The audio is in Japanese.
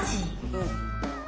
うん。